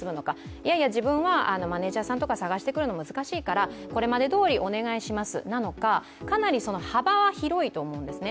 いやいや自分はマネージャーさんとか探してくるのは難しいからこれまでどおりお願いしますなのかかなり幅は広いと思うんですね、